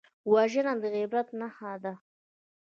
وژنه د عبرت نښه ده